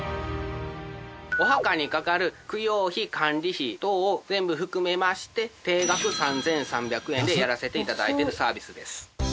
お墓にかかる供養費管理費等を全部含めまして定額３３００円でやらせて頂いてるサービスです。